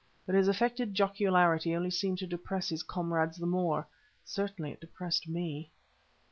But his affected jocularity only seemed to depress his comrades the more. Certainly it depressed me.